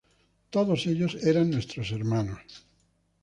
Todos ellos eran nuestros hermanos.